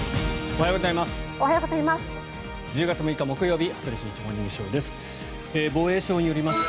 おはようございます。